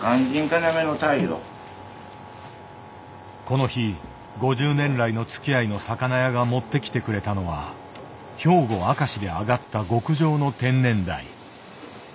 この日５０年来のつきあいの魚屋が持ってきてくれたのは兵庫明石で揚がった極上の天然ダイ。